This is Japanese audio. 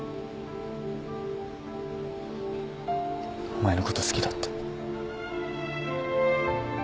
お前のこと好きだって。